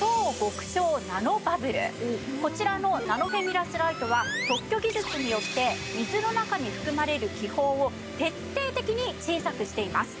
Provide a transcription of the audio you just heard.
こちらこちらのナノフェミラスライトは特許技術によって水の中に含まれる気泡を徹底的に小さくしています。